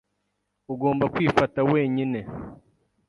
Ugomba kwifata wenyine.